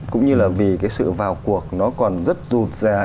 cũng như là vì cái sự vào cuộc nó còn rất rụt ra